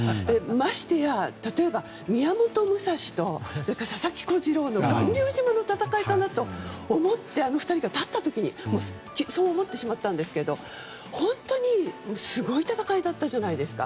ましてや、宮本武蔵と佐々木小次郎の巌流島の戦いだなと思ってあの２人が立った時にそう思ってしまったんですが本当にすごい戦いだったじゃないですか。